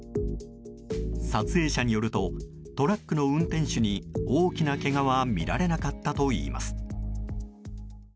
撮影者によるとトラックの運転手に大きなけがは見られなかったといいます。